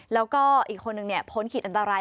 แล้วก็อีกคนนึงพ้นขีดอันตราย